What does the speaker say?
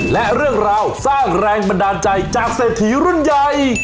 และเรื่องราวสร้างแรงบันดาลใจจากเศรษฐีรุ่นใหญ่